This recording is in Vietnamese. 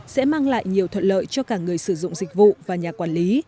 sẽ mang lại nhiều thuận lợi cho cả người sử dụng dịch vụ và nhà quản lý